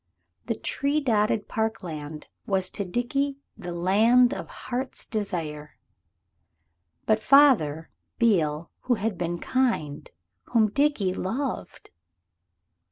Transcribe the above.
The tree dotted parkland was to Dickie the Land of Heart's Desire. But father Beale who had been kind, whom Dickie loved!...